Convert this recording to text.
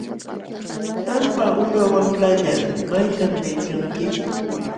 Tampa uma wamlalla ¿maytam liykanki?